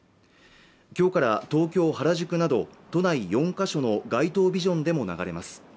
今日から東京原宿など都内４か所の街頭ビジョンでも流れます